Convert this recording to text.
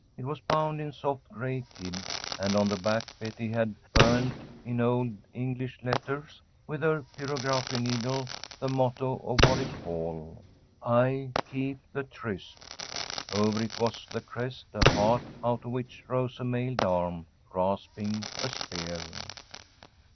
It was bound in soft gray kid, and on the back Betty had burned in old English letters, with her pyrography needle, the motto of Warwick Hall: "I keep the tryst." Over it was the crest, a heart, out of which rose a mailed arm, grasping a spear.